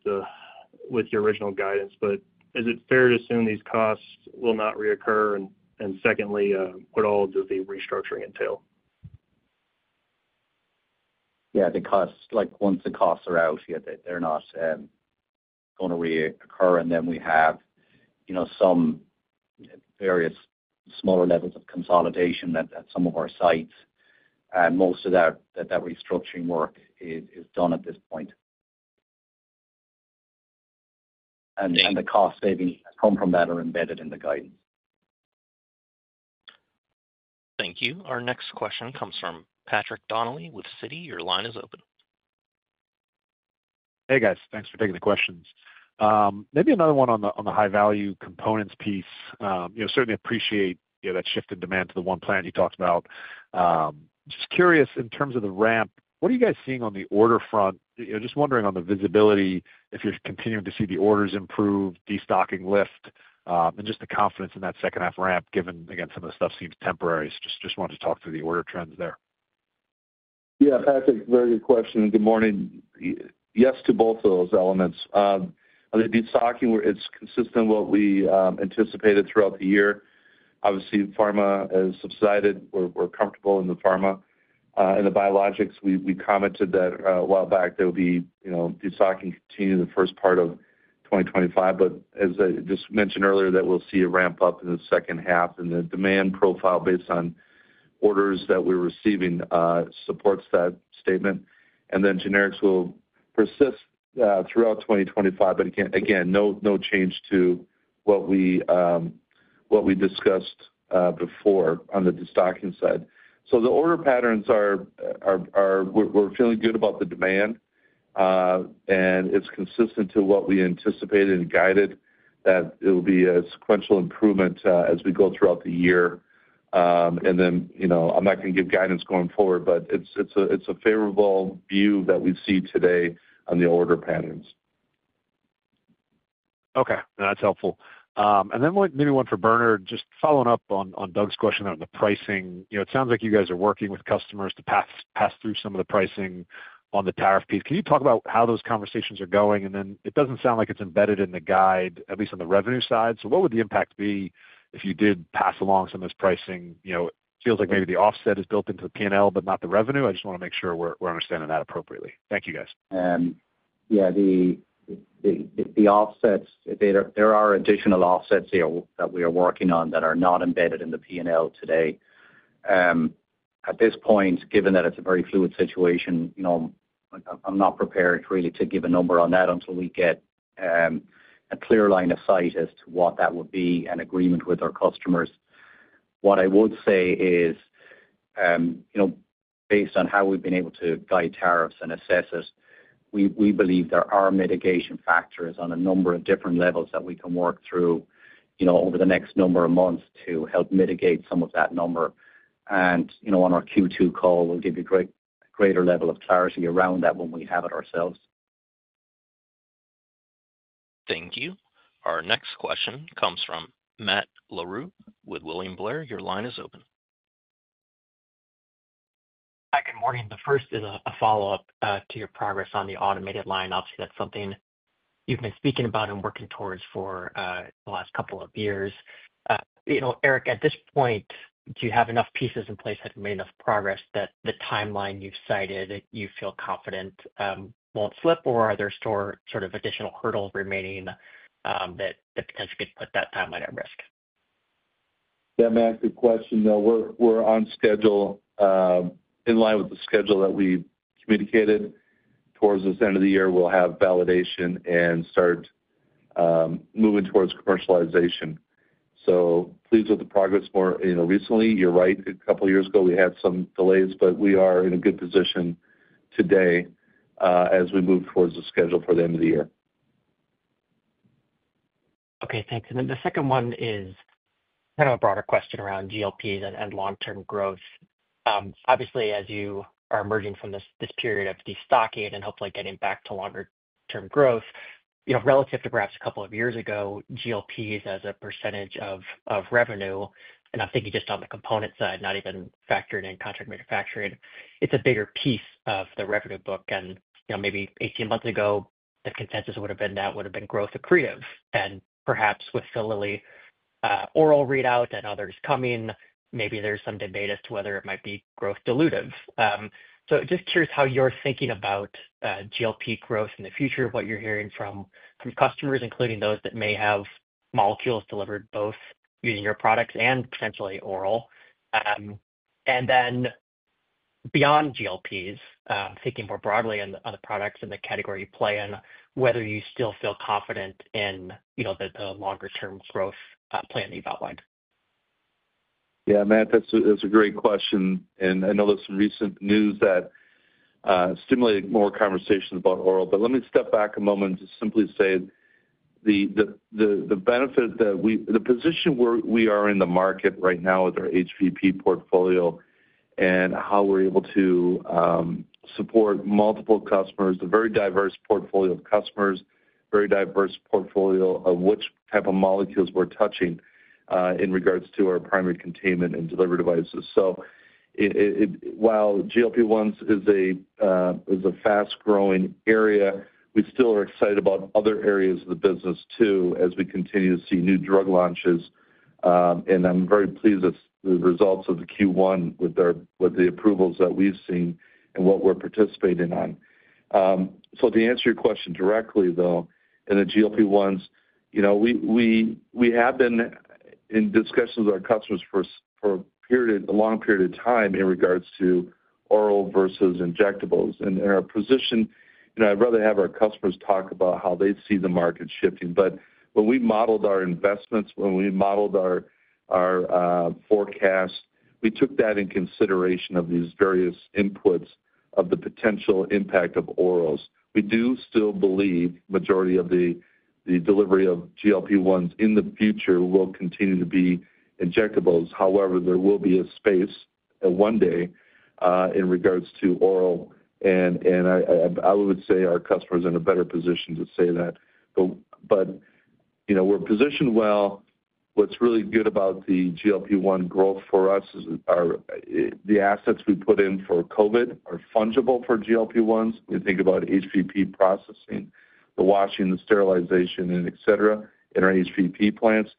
your original guidance. Is it fair to assume these costs will not reoccur? Secondly, what all does the restructuring entail? Yeah, I think once the costs are out here, they're not going to reoccur. We have some various smaller levels of consolidation at some of our sites. Most of that restructuring work is done at this point. The cost savings that come from that are embedded in the guidance. Thank you. Our next question comes from Patrick Donnelly with Citi. Your line is open. Hey, guys. Thanks for taking the questions. Maybe another one on the high-value components piece. Certainly appreciate that shift in demand to the one plant you talked about. Just curious, in terms of the ramp, what are you guys seeing on the order front? Just wondering on the visibility if you're continuing to see the orders improve, destocking lift, and just the confidence in that second-half ramp given, again, some of the stuff seems temporary. Just wanted to talk through the order trends there. Yeah, Patrick, very good question. Good morning. Yes to both of those elements. The destocking, it's consistent with what we anticipated throughout the year. Obviously, pharma has subsided. We're comfortable in the pharma. The biologics, we commented that a while back there would be destocking continued in the first part of 2025. As I just mentioned earlier, we'll see a ramp up in the second half. The demand profile based on orders that we're receiving supports that statement. Generics will persist throughout 2025, but again, no change to what we discussed before on the destocking side. The order patterns are we're feeling good about the demand, and it's consistent to what we anticipated and guided that it will be a sequential improvement as we go throughout the year. I'm not going to give guidance going forward, but it's a favorable view that we see today on the order patterns. Okay. That's helpful. Maybe one for Bernard, just following up on Doug's question on the pricing. It sounds like you guys are working with customers to pass through some of the pricing on the tariff piece. Can you talk about how those conversations are going? It does not sound like it's embedded in the guide, at least on the revenue side. What would the impact be if you did pass along some of this pricing? It feels like maybe the offset is built into the P&L, but not the revenue. I just want to make sure we're understanding that appropriately. Thank you, guys. Yeah, the offsets, there are additional offsets that we are working on that are not embedded in the P&L today. At this point, given that it's a very fluid situation, I'm not prepared really to give a number on that until we get a clear line of sight as to what that would be and agreement with our customers. What I would say is, based on how we've been able to guide tariffs and assess it, we believe there are mitigation factors on a number of different levels that we can work through over the next number of months to help mitigate some of that number. On our Q2 call, we'll give you a greater level of clarity around that when we have it ourselves. Thank you. Our next question comes from Matt Larew with William Blair. Your line is open. Hi, good morning. The first is a follow-up to your progress on the automated line. Obviously, that's something you've been speaking about and working towards for the last couple of years. Eric, at this point, do you have enough pieces in place that have made enough progress that the timeline you've cited, you feel confident won't slip? Or are there sort of additional hurdles remaining that potentially could put that timeline at risk? Yeah, Matt, good question. We're on schedule in line with the schedule that we communicated. Towards this end of the year, we'll have validation and start moving towards commercialization. Pleased with the progress more recently. You're right. A couple of years ago, we had some delays, but we are in a good position today as we move towards the schedule for the end of the year. Okay, thanks. The second one is kind of a broader question around GLPs and long-term growth. Obviously, as you are emerging from this period of destocking and hopefully getting back to longer-term growth, relative to perhaps a couple of years ago, GLPs as a percentage of revenue, and I'm thinking just on the component side, not even factored in Contract Manufacturing, it's a bigger piece of the revenue book. Maybe 18 months ago, the consensus would have been that would have been growth accretive. Perhaps with Silily oral readout and others coming, maybe there's some debate as to whether it might be growth dilutive. Just curious how you're thinking about GLP growth in the future, what you're hearing from customers, including those that may have molecules delivered both using your products and potentially oral. Beyond GLPs, thinking more broadly on the products and the category you play in, whether you still feel confident in the longer-term growth plan that you've outlined. Yeah, Matt, that's a great question. I know there's some recent news that stimulated more conversations about oral. Let me step back a moment and just simply say the benefit that we, the position where we are in the market right now with our HPP portfolio and how we're able to support multiple customers, a very diverse portfolio of customers, a very diverse portfolio of which type of molecules we're touching in regards to our primary containment and delivery devices. While GLP-1 is a fast-growing area, we still are excited about other areas of the business too as we continue to see new drug launches. I'm very pleased with the results of the Q1 with the approvals that we've seen and what we're participating on. To answer your question directly, though, in the GLP-1s, we have been in discussions with our customers for a long period of time in regards to oral versus injectables. In our position, I'd rather have our customers talk about how they see the market shifting. When we modeled our investments, when we modeled our forecast, we took that into consideration of these various inputs of the potential impact of orals. We do still believe the majority of the delivery of GLP-1s in the future will continue to be injectables. However, there will be a space one day in regards to oral. I would say our customers are in a better position to say that. We're positioned well. What's really good about the GLP-1 growth for us is the assets we put in for COVID are fungible for GLP-1s. We think about HPP processing, the washing, the sterilization, and etc. in our HPP plants.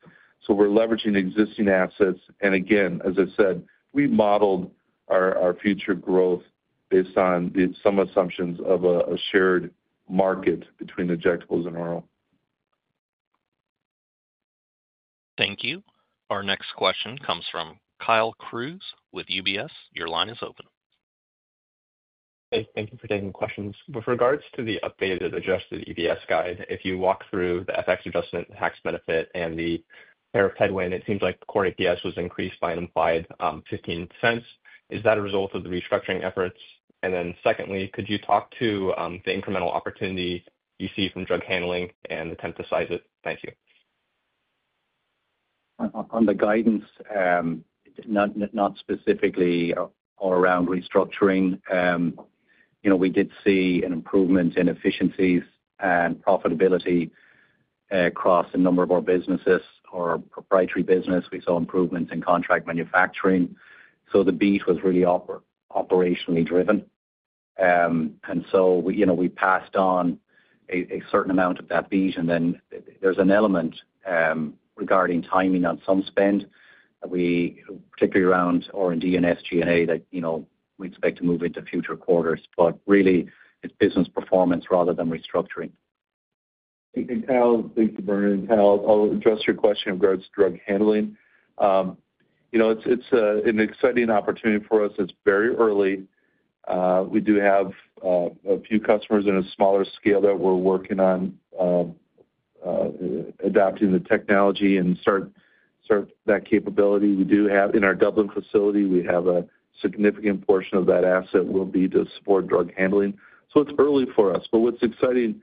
We are leveraging existing assets. Again, as I said, we modeled our future growth based on some assumptions of a shared market between injectables and oral. Thank you. Our next question comes from Kyle Crews with UBS. Your line is open. Thank you for taking the questions. With regards to the updated adjusted EPS guide, if you walk through the FX adjustment tax benefit and the tariff headwind, it seems like core EPS was increased by an implied $0.15. Is that a result of the restructuring efforts? Secondly, could you talk to the incremental opportunity you see from drug handling and attempt to size it? Thank you. On the guidance, not specifically all around restructuring, we did see an improvement in efficiencies and profitability across a number of our businesses. Our proprietary business, we saw improvements in Contract Manufacturing. The beat was really operationally driven. We passed on a certain amount of that beat. There is an element regarding timing on some spend, particularly around R&D and SG&A that we expect to move into future quarters. It is business performance rather than restructuring. Thank you, Kyle. Thank you, Bernard. Kyle, I'll address your question in regards to drug handling. It's an exciting opportunity for us. It's very early. We do have a few customers in a smaller scale that we're working on adapting the technology and start that capability. We do have in our Dublin facility, we have a significant portion of that asset will be to support drug handling. It's early for us. What's exciting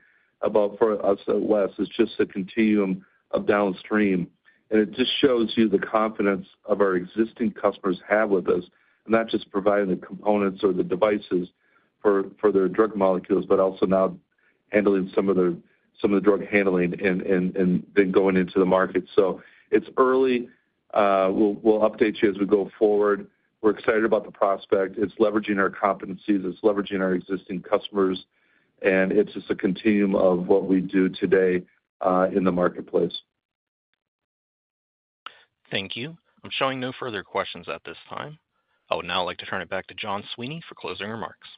for us at West is just the continuum of downstream. It just shows you the confidence our existing customers have with us, not just providing the components or the devices for their drug molecules, but also now handling some of the drug handling and then going into the market. It's early. We'll update you as we go forward. We're excited about the prospect. It's leveraging our competencies. It's leveraging our existing customers. It is just a continuum of what we do today in the marketplace. Thank you. I'm showing no further questions at this time. I would now like to turn it back to John Sweeney for closing remarks.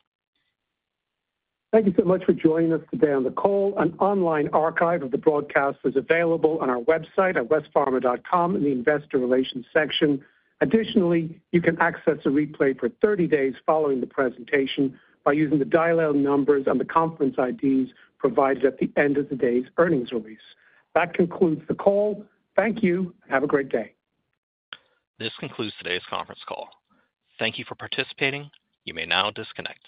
Thank you so much for joining us today on the call. An online archive of the broadcast is available on our website at westpharma.com in the investor relations section. Additionally, you can access a replay for 30 days following the presentation by using the dialed numbers on the conference IDs provided at the end of today's earnings release. That concludes the call. Thank you. Have a great day. This concludes today's conference call. Thank you for participating. You may now disconnect.